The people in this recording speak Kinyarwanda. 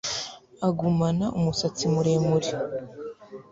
Agumana umusatsi muremure